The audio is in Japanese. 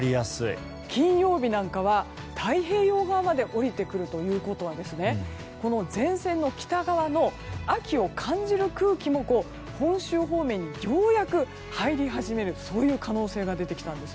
金曜日なんかは太平洋側まで下りてくるということは前線の北側の秋を感じる空気も本州方面にようやく入り始めるそういう可能性が出てきたんです。